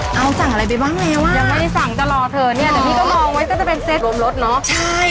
เอาสั่งอะไรไปบ้างแล้วอ่ะยังไม่ได้สั่งจะรอเธอเนี่ยเดี๋ยวพี่ก็มองไว้ก็จะเป็นเซตรวมรถเนอะใช่